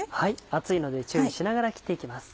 熱いので注意しながら切って行きます。